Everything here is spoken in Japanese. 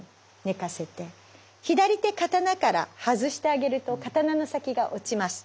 左手刀から外してあげると刀の先が落ちます。